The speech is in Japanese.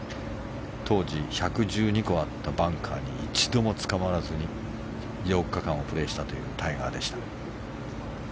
当時１１２個あったバンカーに一度もつかまらずに４日間をプレーしたというタイガーでした。